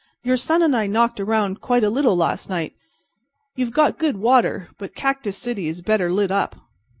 "Your son and I knocked around quite a little last night. You've got good water, but Cactus City is better lit up."